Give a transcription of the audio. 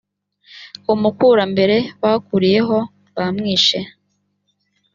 ku mukurambere bahuriyeho bamwishe